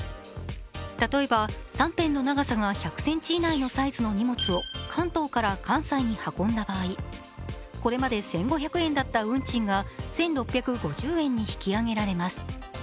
例えば、３辺の長さが１００ｃｍの荷物を関東から関西に運んだ場合これまで１５００円だった運賃が１６５０円に引き上げられます。